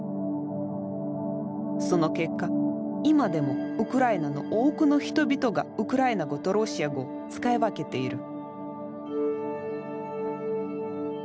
その結果今でもウクライナの多くの人々がウクライナ語とロシア語を使い分けている。